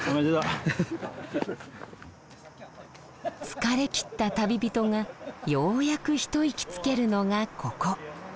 疲れきった旅人がようやく一息つけるのがここ。